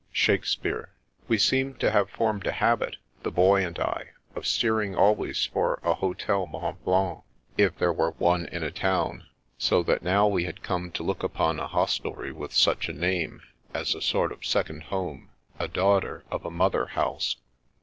— Shakbspearr. We seemed to have formed a habit, the Boy and I, of steering always for a Hotel Mont Blanc, if there were one in a town ; so that now we had come to look upon a hostelry with such a name as a sort of second home, a daughter of a mother house.